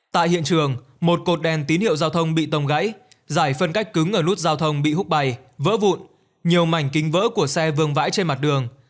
tại hiện trường một cột đèn tín hiệu giao thông bị tông gãy giải phân cách cứng ở nút giao thông bị hút bày vỡ vụn nhiều mảnh kính vỡ của xe vương vãi trên mặt đường